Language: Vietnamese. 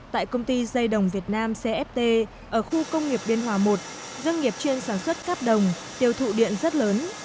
tại công ty dây đồng việt nam cft ở khu công nghiệp biên hòa i doanh nghiệp chuyên sản xuất cáp đồng tiêu thụ điện rất lớn